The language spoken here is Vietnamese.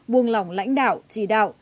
buông lỏng lãnh đạo chỉ đạo